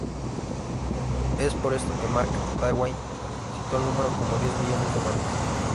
Es por esto que Mark Twain citó el número como diez millones de muertes.